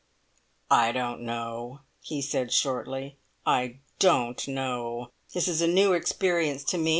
"I don't know," he said shortly "I don't know. This is a new experience to me.